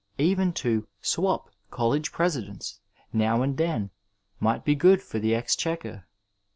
Even to ' swap ' College Presidents now and then might be good for the exchequer.